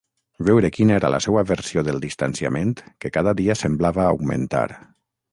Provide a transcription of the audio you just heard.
Veure quina era la seua versió del distanciament que cada dia semblava augmentar.